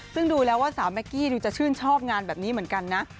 ซึ่งดูแล้วว่าสาวแก๊กกี้ดูจะชื่นชอบงานแบบนี้เหมือนกันนะ